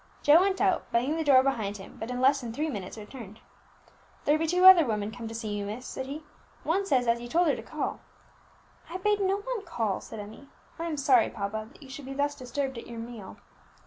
Joe went out, banging the door behind him, but in less than three minutes returned. "There be two other women come to see you, miss," said he. "One says as you told her to call." "I bade no one call," said Emmie. "I am sorry, papa, that you should be thus disturbed at your meal."